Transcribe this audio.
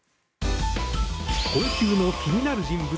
今週の気になる人物